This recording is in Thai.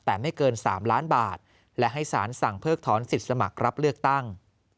แต่ไม่เกิน๓ล้านบาทและให้สารสั่งเพิกถอนสิทธิ์สมัครรับเลือกตั้ง